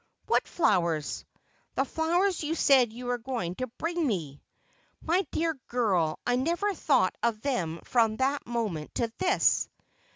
"What flowers?" "The flowers you said you were going to bring me." "My dear girl, I never thought of them from that moment to this."